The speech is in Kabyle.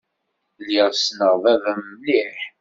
Lliɣ ssneɣ baba-m mliḥ.